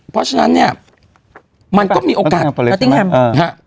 เพราะฉะนั้นเนี่ยมันก็มีโอกาสรัฐมนตรีช่วยสาธารณสุขของอังกฤษ